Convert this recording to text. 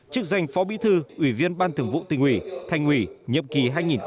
chức danh phó bí thư ủy viên ban thường vụ tỉnh ủy thành ủy nhiệm kỳ hai nghìn một mươi năm hai nghìn hai mươi